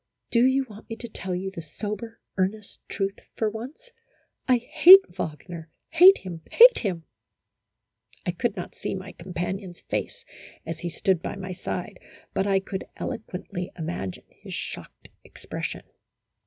"Do you want me to tell you the sober, earnest truth for once, I hate Wagner hate him hate him !" I could not see my companion's face as he stood by my side, but I could eloquently imagine his shocked expression.